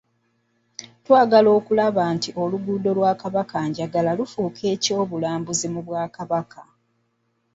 Twagala kulaba nti oluguudo lwa Kabakanjagala lufuuka eky'obulambuzi mu Bwakabaka.